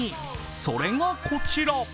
それがこちら。